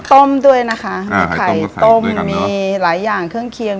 ต้มด้วยนะคะมีไข่ต้มมีหลายอย่างเครื่องเคียง